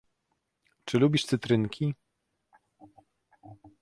"Czy lubisz cytrynki?"